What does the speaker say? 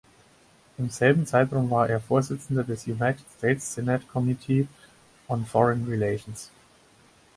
Im selben Zeitraum war er Vorsitzender des United States Senate Committee on Foreign Relations.